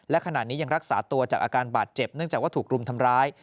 และขณะนี้ยังรักษาตัวจากอาการบาดเจ็บเนื่องจากว่าถูกรุมทำร้าย